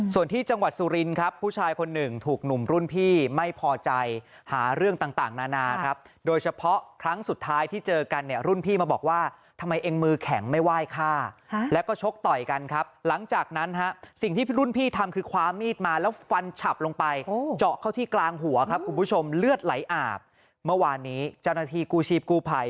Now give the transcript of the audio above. ส่วนที่จังหวัดสุรินครับผู้ชายคนหนึ่งถูกหนุ่มรุ่นพี่ไม่พอใจหาเรื่องต่างนานาครับโดยเฉพาะครั้งสุดท้ายที่เจอกันเนี่ยรุ่นพี่มาบอกว่าทำไมเองมือแข็งไม่ไหว้ฆ่าแล้วก็ชกต่อยกันครับหลังจากนั้นฮะสิ่งที่รุ่นพี่ทำคือคว้ามีดมาแล้วฟันฉับลงไปเจาะเข้าที่กลางหัวครับคุณผู้ชมเลือดไหลอาบเมื่อวานนี้เจ้าหน้าที่กู้ชีพกู้ภัย